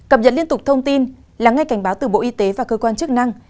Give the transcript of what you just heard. cập nhật liên tục thông tin là ngay cảnh báo từ bộ y tế và cơ quan chức năng